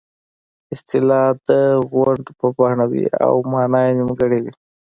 اصطلاح د غونډ په بڼه وي او مانا یې نیمګړې وي